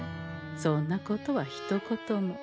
そんなことはひと言も。